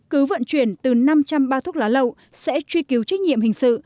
cứ vận chuyển từ năm trăm linh bao thuốc lá lậu sẽ truy cứu trách nhiệm hình sự